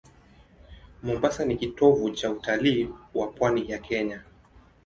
Mombasa ni kitovu cha utalii wa pwani ya Kenya.